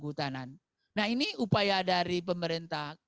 hutan nah ini upaya dari pemerintah